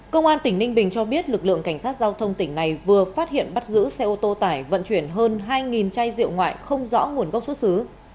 công an tỉnh ninh bình cho biết lực lượng cảnh sát giao thông tỉnh này vừa phát hiện bắt giữ xe ô tô tải vận chuyển hơn hai chai rượu ngoại không rõ nguồn gốc xuất xứ